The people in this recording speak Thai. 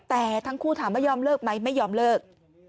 แต่ทั้งคู่ถามว่ายอมเลิกไหมไม่ยอมเลิก